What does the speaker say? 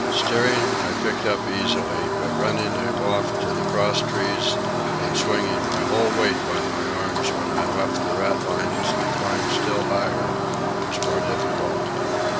Steering I picked up easily, but running aloft to the crosstrees and swinging my whole weight by my arms when I left the ratlines and climbed still higher, was more difficult.